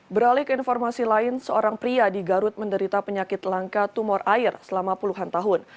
beralik informasi lain seorang pria di garut menderita penyakit langka tumor air selama puluhan tahun